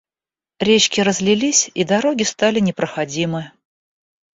Речки разлились, и дороги стали непроходимы.